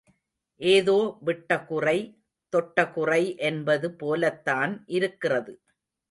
ஏதோ விட்டகுறை–தொட்டகுறை என்பது போலத் தான் இருக்கிறது.